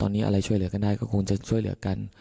ตอนนี้อะไรช่วยเหลือกันได้ก็คงจะช่วยเหลือกัน